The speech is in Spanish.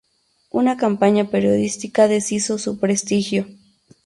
Una campaña periodística deshizo su prestigio.